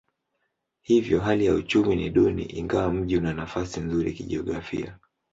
Hivyo hali ya uchumi ni duni ingawa mji una nafasi nzuri kijiografia.